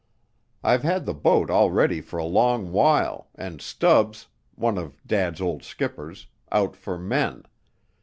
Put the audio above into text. I've had the boat all ready for a long while, and Stubbs, one of Dad's old skippers, out for men.